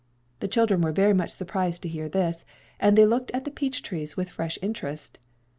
The children were very much surprised to hear this, and they looked at the peach trees with fresh interest.